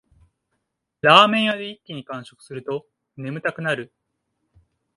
ラーメン屋で一気に完食すると眠たくなる